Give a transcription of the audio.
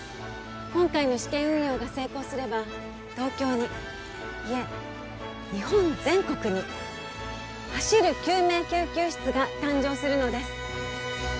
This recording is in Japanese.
今回の試験運用が成功すれば東京にいえ日本全国に走る救命救急室が誕生するのです